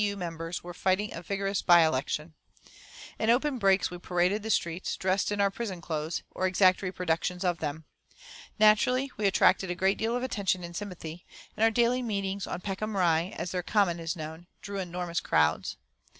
U. members were fighting a vigorous by election. In open brakes we paraded the streets, dressed in our prison clothes, or exact reproductions of them. Naturally, we attracted a great deal of attention and sympathy, and our daily meetings on Peckham Rye, as their common is known, drew enormous crowds.